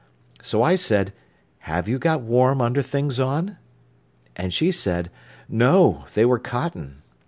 So I said: 'Have you got warm underthings on?' And she said: 'No, they were cotton.